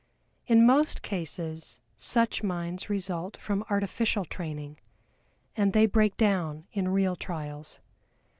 In most cases such minds result from artificial training, and they break down in real trials.